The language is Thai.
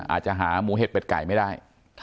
อาจจะหาหมูเห็ดเป็ดไก่ไม่ได้